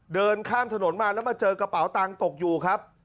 เดินข้ามถนนมาแล้วมาเจอกระเป๋าตังค์ตกอยู่ครับ